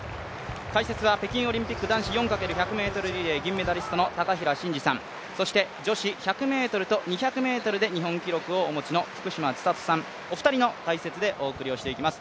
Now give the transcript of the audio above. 解説は北京オリンピック男子４×１００ｍリレー銀メダリストの高平慎士さん、女子１００ｍと２００ｍで日本記録をお持ちの福島千里さん、お二人の解説でお送りしていきます